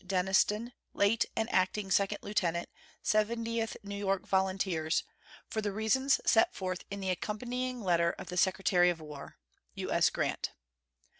Denniston, late an acting second lieutenant, Seventieth New York Volunteers," for the reasons set forth in the accompanying letter of the Secretary of War. U.S. GRANT.